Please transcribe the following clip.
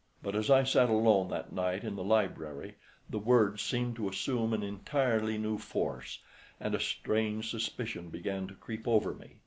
But as I sat alone that night in the library the words seemed to assume an entirely new force, and a strange suspicion began to creep over me.